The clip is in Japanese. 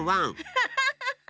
ハッハハハ！